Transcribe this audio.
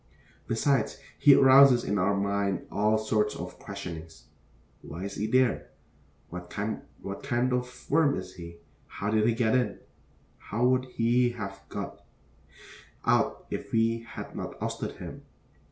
Besides, he arouses in our mind all sorts of questionings. Why is he there? What kind of worm is he? How did he get in? How would he have got out if we had not ousted him?